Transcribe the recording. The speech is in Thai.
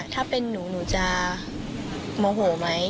ถ้าเป็นหนูหนูจะโมโหไหม